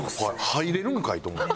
入れるんかいと思って。